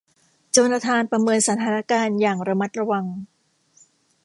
โจนาธานประเมินสถานการณ์อย่างระมัดระวัง